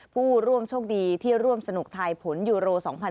ผู้ร่วมโชคดีที่ร่วมสนุกทายผลยูโร๒๐๑๖